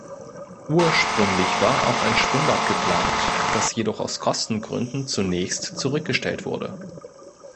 Ursprünglich war auch ein Schwimmbad geplant, das jedoch aus Kostengründen zunächst zurückgestellt wurde.